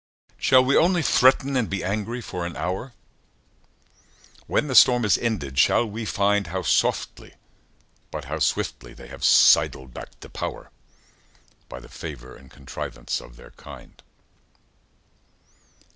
Shall we only threaten and be angry for an hour: When the storm is ended shall we find How softly but how swiftly they have sidled back to power By the favour and contrivance of their kind?